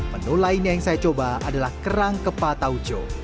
menu lainnya yang saya coba adalah kerang kepa tauco